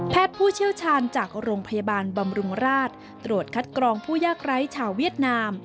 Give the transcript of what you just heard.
ผู้เชี่ยวชาญจากโรงพยาบาลบำรุงราชตรวจคัดกรองผู้ยากไร้ชาวเวียดนาม